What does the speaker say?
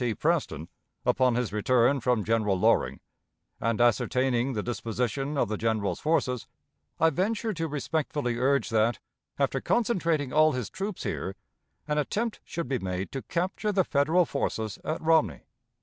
T. Preston upon his return from General Loring, and ascertaining the disposition of the General's forces, I venture to respectfully urge that, after concentrating all his troops here, an attempt should be made to capture the Federal forces at Romney.